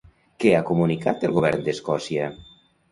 Què ha comunicat el govern d'Escòcia?